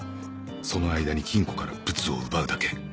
その間に金庫からブツを奪うだけ